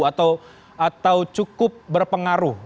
atau cukup berpengaruh